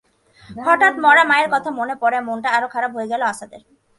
হঠাৎ মরা মায়ের কথা মনে পড়ায় মনটা আরো খারাপ হয়ে গেলো আসাদের।